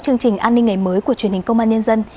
chương trình an ninh ngày mới của truyền hình công an nhân dân